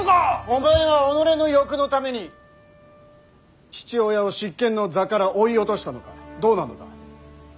お前は己の欲のために父親を執権の座から追い落としたのかどうなのだ。